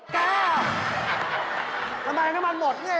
ทำไมน้ำมันหมดเนี่ย